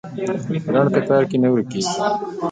په لنډ کتار کې نه ورکېږي.